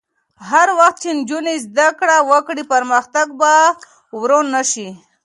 هر وخت چې نجونې زده کړه وکړي، پرمختګ به ورو نه شي.